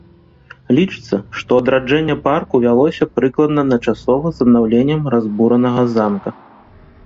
Лічыцца, што адраджэнне парку вялося прыкладна адначасова з аднаўленнем разбуранага замка.